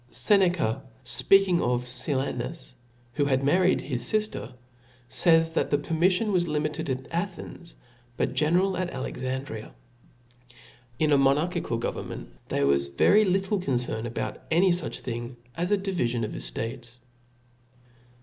/' Seneca*, fpeaking of Silanus, who had married his fifter, fays, that the permifiion was limited at Athens, but general at Alexandria. In a mo narchical government there was very little concern about any fuch thing as a divifion of eftates.